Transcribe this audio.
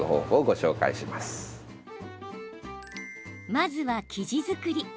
まずは生地作り。